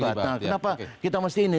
batal kenapa kita mesti ini